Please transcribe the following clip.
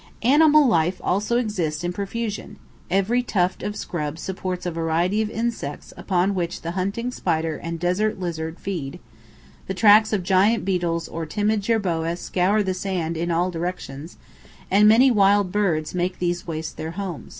Animal life also exists in profusion; every tuft of scrub supports a variety of insects upon which the hunting spider and desert lizard feed; the tracks of giant beetles or timid jerboa scour the sand in all directions, and many wild birds make these wastes their home.